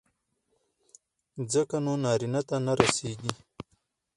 ځکه نو نارينه ته نه رسېږي.